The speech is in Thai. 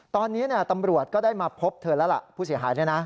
ตอนนี้ตำรวจก็ได้มาพบเธอแล้วล่ะผู้เสียหายเนี่ยนะ